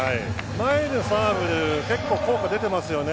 前のサーブで結構、効果出てますよね。